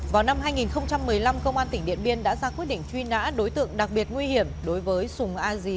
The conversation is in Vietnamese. vào năm hai nghìn một mươi năm công an tỉnh điện biên đã ra quyết định truy nã đối tượng đặc biệt nguy hiểm đối với sùng a dí